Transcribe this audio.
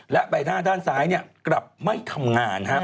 และใบหน้าด้านซ้ายกลับไม่ทำงาน